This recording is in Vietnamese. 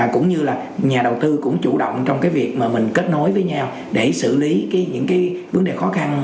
cũng như là nhà đầu tư cũng chủ động trong việc mình kết nối với nhau để xử lý những vấn đề khó khăn